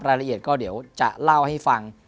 รายละเอียดก็เดี๋ยวจะเล่าให้ฟัง